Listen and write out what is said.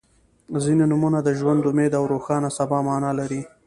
• ځینې نومونه د ژوند، امید او روښانه سبا معنا لري.